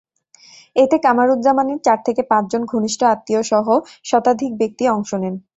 এতে কামারুজ্জামানের চার থেকে পাঁচজন ঘনিষ্ঠ আত্মীয়সহ শতাধিক ব্যক্তি অংশ নেন।